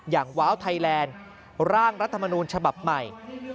ว้าวไทยแลนด์ร่างรัฐมนูลฉบับใหม่